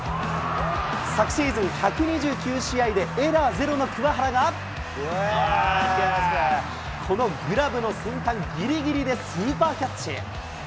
昨シーズン、１２９試合でエラーゼロの桑原が、このグラブの先端ぎりぎりでスーパーキャッチ。